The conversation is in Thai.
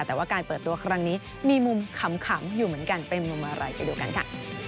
แต่ว่าการเปิดตัวครั้งนี้มีมุมขำอยู่เหมือนกันเป็นมุมอะไรไปดูกันค่ะ